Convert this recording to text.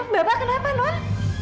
bapak kenapa non